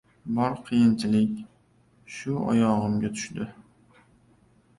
Bor qiyinchilik, shu oyog‘imga tushdi.